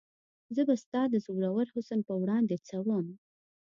زه به د ستا د زورور حسن په وړاندې څه وم؟